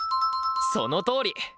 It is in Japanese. そのとおり！